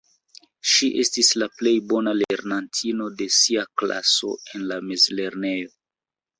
Ŝi estis la plej bona lernantino de sia klaso en la mezlernejo.